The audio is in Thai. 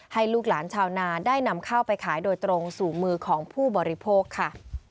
ลูกหลานชาวนาได้นำข้าวไปขายโดยตรงสู่มือของผู้บริโภคค่ะ